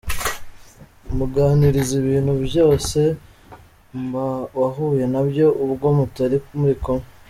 Muganirize ibintu byose wahuye nabyo ubwo mutari muri kumwe.